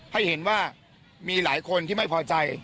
ให้เห็นว่ามีหลายคนที่ไม่พอใจ